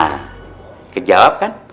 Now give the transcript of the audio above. nah kejawab kan